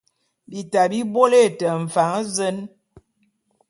Bita bi bôle te mfan zen !